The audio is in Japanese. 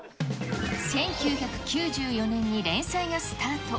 １９９４年に連載がスタート。